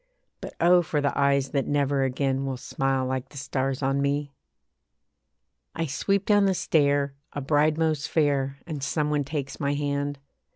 But oh! for the eyes that never again Will smile like the stars on me. I sweep down the stair, a bride most fair, And some one takes my hand.